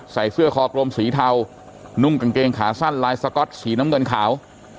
ใส่เสื้อคอกลมสีเทานุ่งกางเกงขาสั้นลายสก๊อตสีน้ำเงินขาว